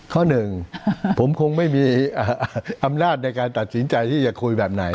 ข้อหนึ่งผมคงไม่มีอำนาจในการตัดสินใจที่จะคุยแบบไหน